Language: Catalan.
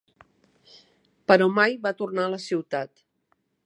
Però mai va tornar a la ciutat.